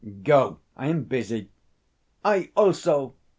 Go! I am busy." "I, also!"